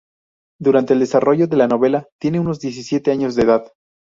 Durante el desarrollo de la novela, tiene unos diecisiete años de edad.